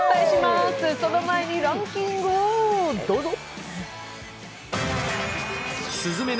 その前にランキングをどうぞ。